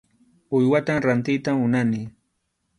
Uywatam rantiyta munani.